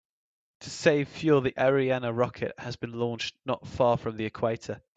To save fuel, the Ariane rocket has been launched not far from the equator.